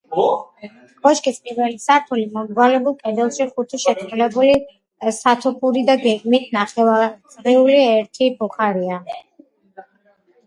კოშკის პირველი სართულის მომრგვალებულ კედელში ხუთი შეწყვილებული სათოფური და გეგმით ნახევარწრიული ერთი ბუხარია.